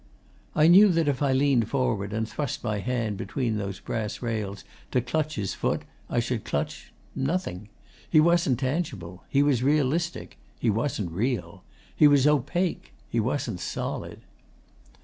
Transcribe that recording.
'I knew that if I leaned forward and thrust my hand between those brass rails, to clutch his foot, I should clutch nothing. He wasn't tangible. He was realistic. He wasn't real. He was opaque. He wasn't solid.